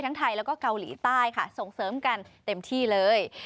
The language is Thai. ทั้งไทยแล้วก็เกาหลีใต้ค่ะส่งเสริมกันเต็มที่เลย